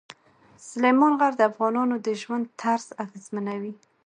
سلیمان غر د افغانانو د ژوند طرز اغېزمنوي.